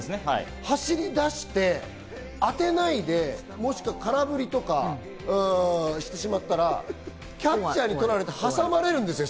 走り出して、当てないで、空振りとかしてしまったらキャッチャーに捕られて挟まれる。